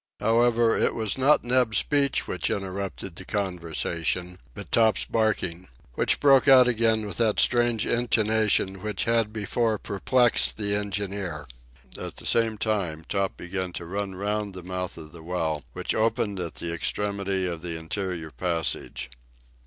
However, it was not Neb's speech which interrupted the conversation, but Top's barking, which broke out again with that strange intonation which had before perplexed the engineer. At the same time Top began to run round the mouth of the well, which opened at the extremity of the interior passage.